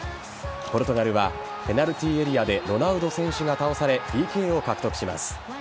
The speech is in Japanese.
ポルトガルはペナルティーエリアでロナウド選手が倒されＰＫを獲得します。